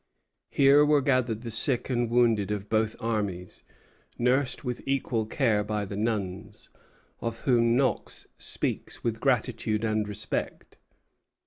Here were gathered the sick and wounded of both armies, nursed with equal care by the nuns, of whom Knox speaks with gratitude and respect.